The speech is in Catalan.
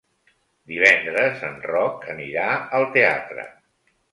Divendres en Roc anirà al teatre.